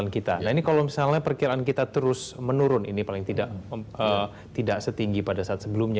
kita nanti ke depannya